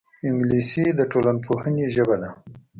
انګلیسي د ټولنپوهنې ژبه ده